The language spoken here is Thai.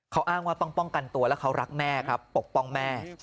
เขาอ้างว่าต้องป้องกันตัวแล้วเขารักแม่ครับปกป้องแม่